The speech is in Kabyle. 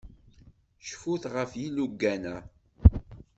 Cfut ɣef yilugan-a.